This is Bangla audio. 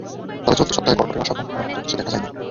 তবে, চলতি সপ্তাহে কর্কটের আশা ভঙ্গ হওয়ার মতো কিছু দেখা যায় না।